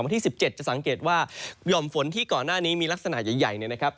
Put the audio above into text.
วันที่๑๗จะสังเกตว่าห่อมฝนที่ก่อนหน้านี้มีลักษณะใหญ่เนี่ยนะครับ